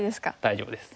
大丈夫です。